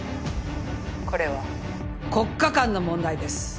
これは国家間の問題です